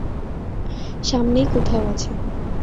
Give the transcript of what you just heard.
সামনেই কোথাও আছে।